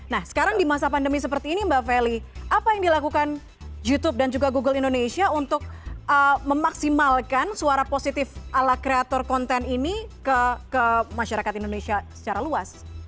nah sekarang di masa pandemi seperti ini mbak feli apa yang dilakukan youtube dan juga google indonesia untuk memaksimalkan suara positif ala kreator konten ini ke masyarakat indonesia secara luas